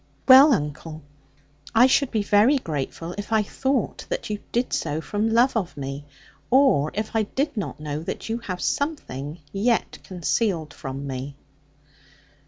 'Well, uncle, I should be very grateful, if I thought that you did so from love of me; or if I did not know that you have something yet concealed from me.'